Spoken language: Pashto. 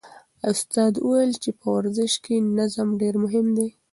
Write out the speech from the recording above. استاد وویل چې په ورزش کې نظم ډېر مهم دی.